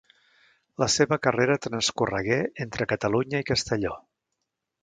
La seva carrera transcorregué entre Catalunya i Castelló.